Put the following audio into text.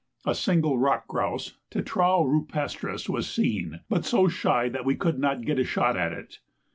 A single rock grouse (tetrao rupestris) was seen, but so shy that we could not get a shot at it.